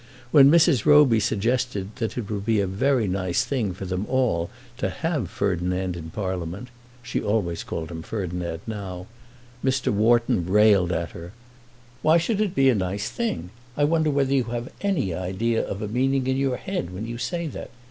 When Mrs. Roby suggested that it would be a very nice thing for them all to have Ferdinand in Parliament, she always called him Ferdinand now, Mr. Wharton railed at her. "Why should it be a nice thing? I wonder whether you have any idea of a meaning in your head when you say that.